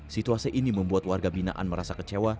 situasi ini membuat warga binaan merasa kecewa